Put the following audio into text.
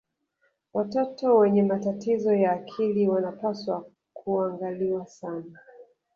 watoto wenye matatizo ya akili wanapaswa kuangaliwa sana